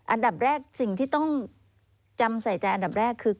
อันดับแรกสิ่งที่ต้องจำใส่ใจอันดับแรกคือ